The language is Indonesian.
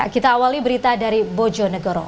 kita awali berita dari bojonegoro